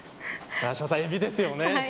永島さん、エビですよね。